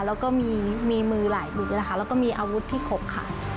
แล้วก็มีมือหลายบึกนะคะแล้วก็มีอาวุธที่ขบค่ะ